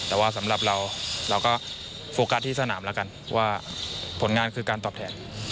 แต่ว่าสำหรับเราเราก็โฟกัสที่สนามแล้วกันว่าผลงานคือการตอบแทน